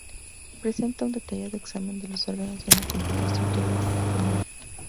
Presenta un detallado examen de los órganos y una completa estructura del cuerpo humano.